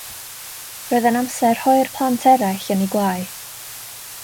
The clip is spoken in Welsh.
Roedd yn amser rhoi'r plant eraill yn eu gwelyau.